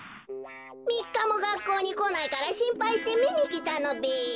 みっかもがっこうにこないからしんぱいしてみにきたのべ。